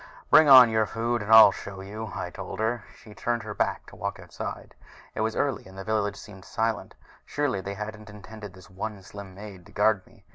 "Bring on your food and I'll show you," I told her, and she turned her back to walk outside. It was early and the village seemed silent surely they hadn't intended this one slim maid to guard me!